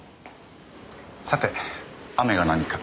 さて雨が何か？